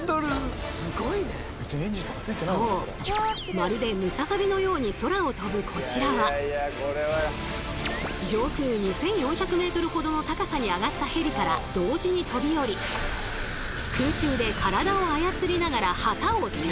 まるでムササビのように空を飛ぶこちらは上空２，４００ｍほどの高さに上がったヘリから同時に飛び降り空中で体を操りながら旗を旋回。